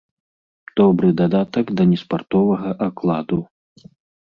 Добры дадатак да неспартовага акладу.